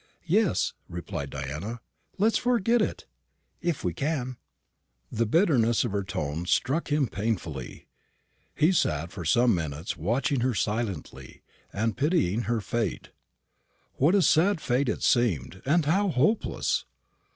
"Yes," replied Diana, "let us forget it if we can." The bitterness of her tone struck him painfully. He sat for some minutes watching her silently, and pitying her fate. What a sad fate it seemed, and how hopeless!